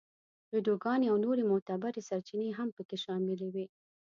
ویډیوګانې او نورې معتبرې سرچینې هم په کې شاملې وې.